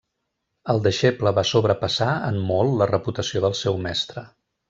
El deixeble va sobrepassar en molt la reputació del seu mestre.